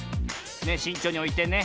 しんちょうにおいてね。